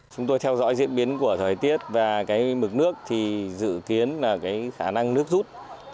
chúng tôi theo dõi diễn biến của thời tiết và cái mực nước thì dự kiến là khả năng nước rút